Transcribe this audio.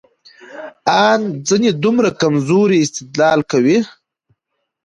ان ځينې دومره کمزورى استدلال کوي،